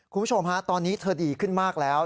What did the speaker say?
คุณผู้ชมฮะตอนนี้เธอดีขึ้นมากแล้ว